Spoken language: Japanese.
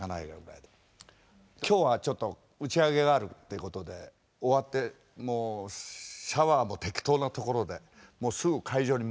今日はちょっと打ち上げがあるってことで終わってもうシャワーも適当なところですぐ会場に向かいました。